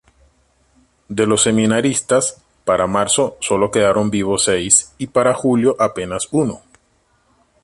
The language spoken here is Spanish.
De los seminaristas, para marzo solo quedaron vivos seis y para julio apenas uno.